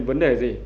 vấn đề gì